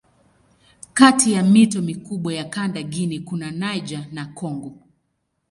Kati ya mito mikubwa ya kanda Guinea kuna Niger na Kongo.